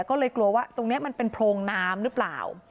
ก็เลยกลัวว่าตรงนี้มันเป็นโพรงน้ำหรือเปล่า